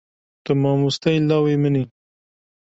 Tu mamosteyê lawê min î.